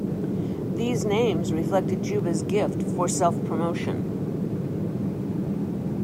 These names reflected Juba's gift for self-promotion.